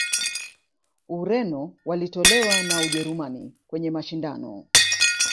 ureno walitolewa na ujerumani kwenye mashindano